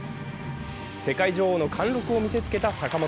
世界女王の貫禄を見せつけた坂本。